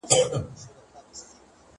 يتيمان يې ساتل.